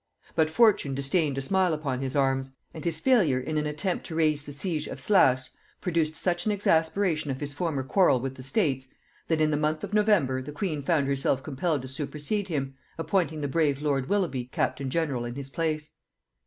But fortune disdained to smile upon his arms; and his failure in an attempt to raise the siege of Sluys produced such an exasperation of his former quarrel with the States, that in the month of November the queen found herself compelled to supersede him, appointing the brave lord Willoughby captain general in his place.